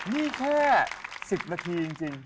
นี่แค่๑๐นาทีจริง